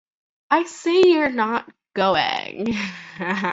I say you're not going!